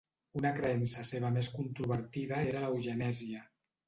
Una creença seva més controvertida era l'eugenèsia.